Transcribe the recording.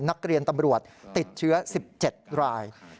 นักเรียนตำรวจติดเชื้อ๑๗ราย